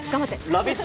「ラヴィット！」